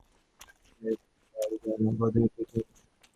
ছেলেটাকে এ বাড়িতে আনা বোধহয় ঠিক হয় নি।